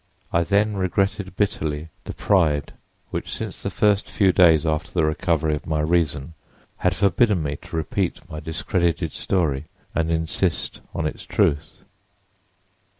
I then regretted bitterly the pride which since the first few days after the recovery of my reason had forbidden me to repeat my discredited story and insist upon its truth.